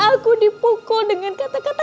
aku dipukul dengan kata kata